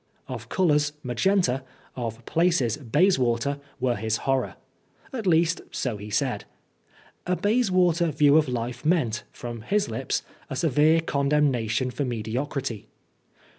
Of colours, magenta, of places, Bayswater, were his horror. At least, so he said. A Bayswater view of life meant, from his lips, a severe condemnation for mediocrity.